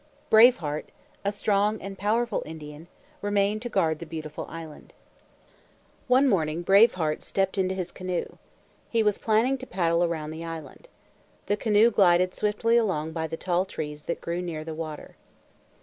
Brave Heart, a strong and powerful Indian, remained to guard the beautiful island. One morning Brave Heart stepped into his canoe. He was planning to paddle around the island. The canoe glided swiftly along by the tall trees that grew near the water.